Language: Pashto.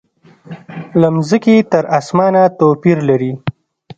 له مځکې تر اسمانه توپیر لري.